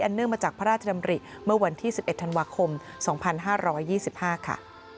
เนื่องมาจากพระราชดำริเมื่อวันที่๑๑ธันวาคม๒๕๒๕ค่ะ